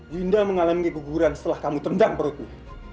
winda mengalami keguguran setelah kamu tendang perutmu